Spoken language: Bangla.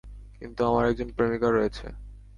কিন্তু আমার একজন প্রেমিকা রয়েছে।